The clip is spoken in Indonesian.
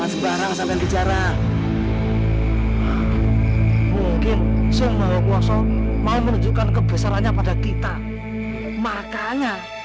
sampai jumpa di video selanjutnya